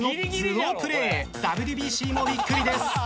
ＷＢＣもびっくりです。